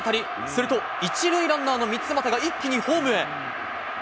すると、１塁ランナーの三ツ俣が一気にホームへ。